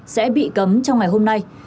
sẽ bị cấm trong ngày hôm nay